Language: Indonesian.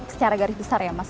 secara garis besar ya mas